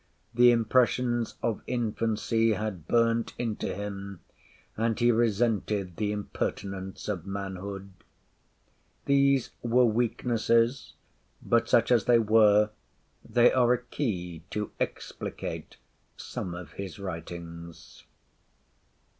The impressions of infancy had burnt into him, and he resented the impertinence of manhood. These were weaknesses; but such as they were, they are a key to explicate some of his writings.